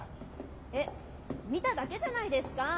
えっ見ただけじゃないですかぁ。